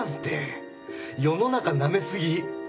世の中なめすぎ。